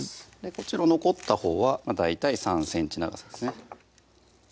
こっちの残ったほうは大体３ｃｍ長さですね